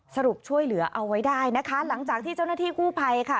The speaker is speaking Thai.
สรุปช่วยเหลือเอาไว้ได้นะคะหลังจากที่เจ้าหน้าที่กู้ภัยค่ะ